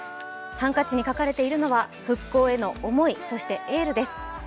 ハンカチに描かれているのは復興への思い、そして、エールです。